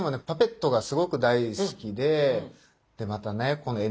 パペットがすごく大好きででまたね